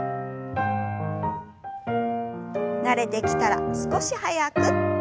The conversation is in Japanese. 慣れてきたら少し早く。